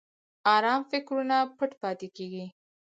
ارام فکرونه پټ پاتې کېږي.